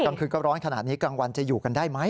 กลางคืนก็ร้อนขนาดนี้กลางวันจะอยู่กันได้ไหม